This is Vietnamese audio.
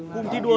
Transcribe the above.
bộ công an